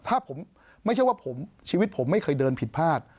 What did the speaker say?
ถ้าผมไม่ใช่ว่าชีวิตผมไม่เคยเดินผิดพลาด